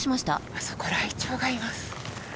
あそこライチョウがいます。